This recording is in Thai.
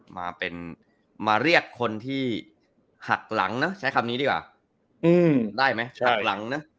มาเป็นมาเรียกคนที่หักหลังนะใช้คำนี้ดีกว่าได้ไหมหักหลังนะ